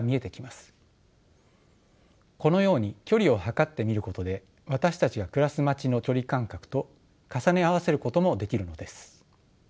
このように距離を測ってみることで私たちが暮らす街の距離感覚と重ね合わせることもできるのです。